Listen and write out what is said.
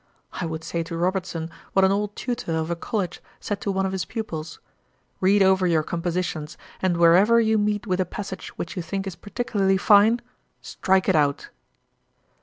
I would say to Robertson what an old tutor of a college said to one of his pupils: "Read over your compositions, and where ever you meet with a passage which you think is particularly fine, strike it out."